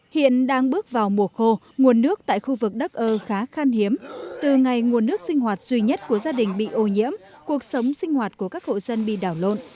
hiện đang bước vào mùa khô nguồn nước tại khu vực đất ơ khá khan hiếm từ ngày nguồn nước sinh hoạt duy nhất của gia đình bị ô nhiễm cuộc sống sinh hoạt của các hộ dân bị đảo lộn